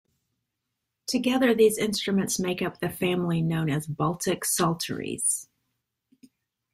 Together these instruments make up the family known as Baltic psalteries.